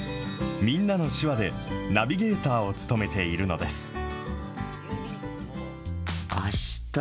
みんなの手話でナビゲーターを務めているのです。